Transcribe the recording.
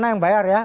nana yang bayar ya